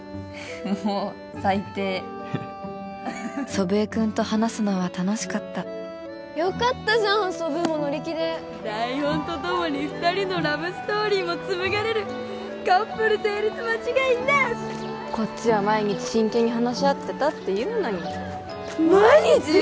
もうサイテ祖父江君と話すのは楽しかったよかったじゃんソブーも乗り気で台本とともに２人のラブストーリーも紡がれるカップル成立間違いなしこっちは毎日真剣に話し合ってたっていうのに毎日？